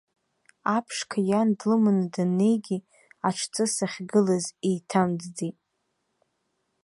Аԥшқа иан длыманы даннеигьы, аҽҵыс ахьгылаз еиҭамҵӡеит.